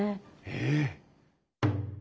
ええ！？